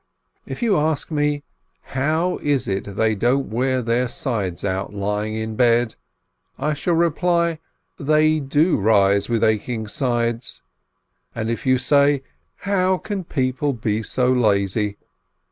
If you ask me, "How is it they don't wear their sides out with lying in bed?" I shall reply: They do rise with aching sides, and if you say, "How can people be so lazy?"